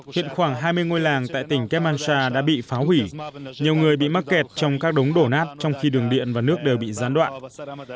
hiện khoảng hai mươi ngôi làng tại tỉnh kép mansha đã bị phá hủy nhiều người bị mắc kẹt trong các đống đổ nát trong khi đường điện và nước đều bị gián đoạn